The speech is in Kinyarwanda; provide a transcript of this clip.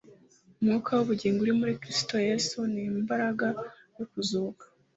Umwuka w'ubugingo uri muri Kristo Yesu ni "Imbaraga yo kuzuka"